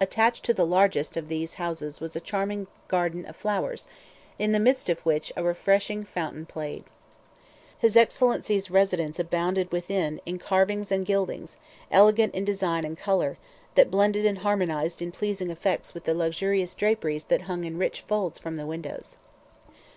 Attached to the largest of these houses was a charming garden of flowers, in the midst of which a refreshing fountain played. His Excellency's residence abounded within in carvings and gildings, elegant in design and color, that blended and harmonized in pleasing effects with the luxurious draperies that hung in rich folds from the windows.